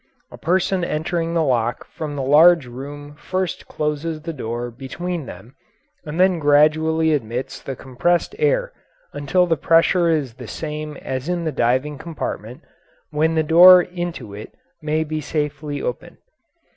A person entering the lock from the large room first closes the door between and then gradually admits the compressed air until the pressure is the same as in the diving compartment, when the door into it may be safely opened.